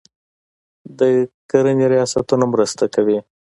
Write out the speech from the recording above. د کرنې ریاستونه مرسته کوي.